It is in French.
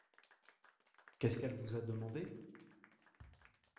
Qu’est-ce qu’elle vous a demandé ?